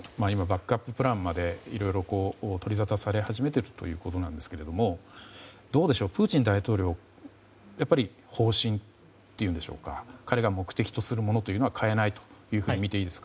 今、バックアッププランまでいろいろ取りざたされ始めているということですがどうでしょう、プーチン大統領方針というんでしょうか彼が目的とするものというのは変えないと